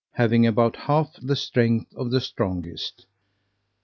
having about half the strength of the strongest.